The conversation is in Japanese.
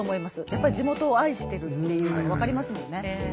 やっぱり地元を愛してるっていうの分かりますもんね。